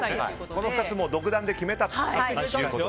この２つ、独断で決めたと。